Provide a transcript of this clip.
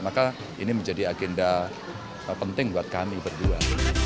maka ini menjadi agenda penting buat kami berdua